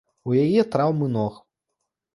У яе траўмы ног.